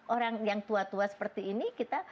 orang yang tua tua seperti ini kita